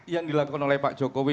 yang dilakukan oleh pak jokowi